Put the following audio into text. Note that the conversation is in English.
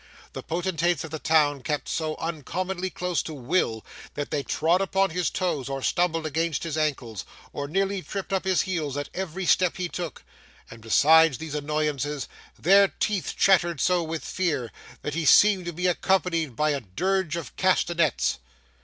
The potentates of the town kept so uncommonly close to Will that they trod upon his toes, or stumbled against his ankles, or nearly tripped up his heels at every step he took, and, besides these annoyances, their teeth chattered so with fear, that he seemed to be accompanied by a dirge of castanets.